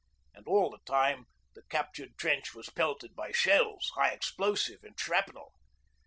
And all the time the captured trench was pelted by shells high explosive and shrapnel.